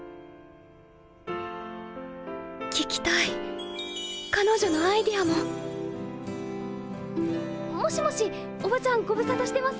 聞きたい彼女のアイデアももしもしおばちゃんご無沙汰してます。